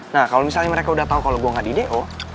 nah kalau misalnya mereka udah tahu kalau gue gak di do